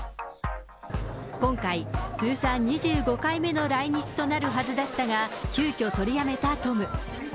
今回、通算２５回目の来日となるはずだったが、急きょ取りやめたトム。